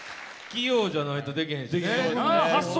起用じゃないとできないしね。